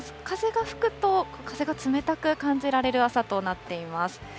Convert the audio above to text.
風が吹くと、風が冷たく感じられる朝となっています。